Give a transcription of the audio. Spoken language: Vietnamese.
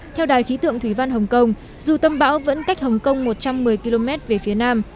theo đài khí tượng thủy văn hồng kông dù tâm bão vẫn cách hồng kông một trăm một mươi km về phía nam